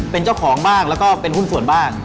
เป็นเจ้าของบ้างแล้วก็เป็นหุ้นส่วนบ้าง